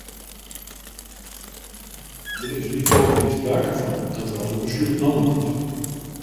Der is lykwols gjin sprake fan dat der al in beslút nommen is.